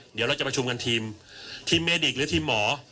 เดี๋ยวเราจะประชุมกันทีมทีมเมดิกหรือทีมหมอ